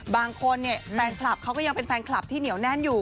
บางคนเนี่ยแฟนคลับเขาก็ยังเป็นแฟนคลับที่เหนียวแน่นอยู่